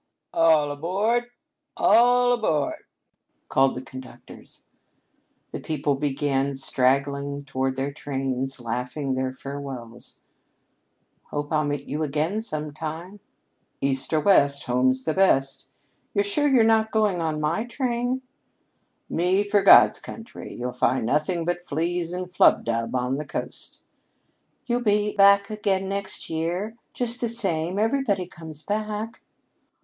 "All aboard! All aboard!" called the conductors. The people began straggling toward their trains, laughing their farewells. "Hope I'll meet you again sometime!" "East or West, home's the best." "You're sure you're not going on my train?" "Me for God's country! You'll find nothing but fleas and flubdub on the Coast." "You'll be back again next year, just the same. Everybody comes back."